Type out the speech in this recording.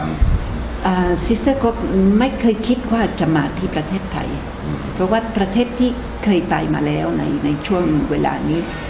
ไม่เคยคิดว่าจะมาที่ประเทศไทยเพราะว่าประเทศที่เคยไปมาแล้วในช่วงเวลานี้